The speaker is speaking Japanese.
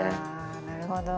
なるほど。